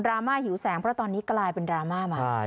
รามาหิวแสงเพราะตอนนี้กลายเป็นดราม่ามา